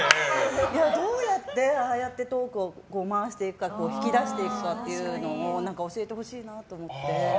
どうやってああやってトークを回していくのか引き出していくかっていうのを教えてほしいなと思って。